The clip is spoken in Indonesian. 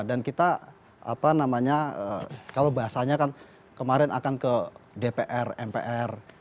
dan kita kalau bahasanya kan kemarin akan ke dpr mpr